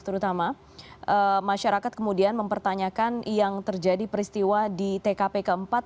terutama masyarakat kemudian mempertanyakan yang terjadi peristiwa di tkp keempat